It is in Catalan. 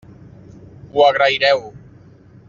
Ho agraireu.